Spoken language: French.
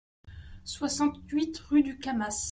soixante-huit rue du Cammas